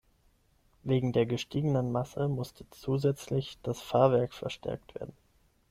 Wegen der gestiegenen Masse musste zusätzlich das Fahrwerk verstärkt werden.